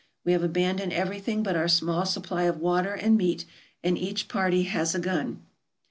We have abandoned everything but our small supply of water and meat, and each party has a gun.